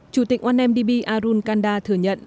chủ tịch onmdb arun kanda thừa nhận